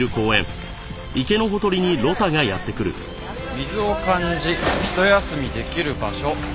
「水を感じ一休みできる場所」